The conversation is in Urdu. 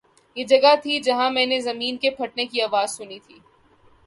”یہ جگہ تھی، جہاں میں نے زمین کے پھٹنے کی آواز سنی تھی